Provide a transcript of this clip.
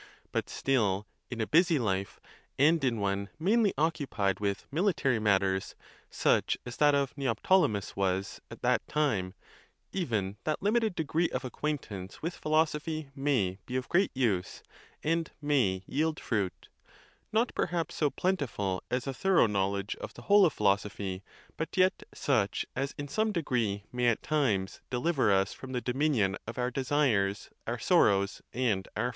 But still, in a busy life, and in one mainly occupied with military matters, such as that of Neoptolemus was at that time, even that limited degree of acquaintance with philosophy may be of great use, and may yield fruit, not perhaps so plentiful as a thorough knowledge of the whole of philosophy, but yet such as in some degree may at times deliver us from the dominion of our desires, our sorrows, and our.